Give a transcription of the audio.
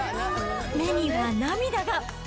目には涙が。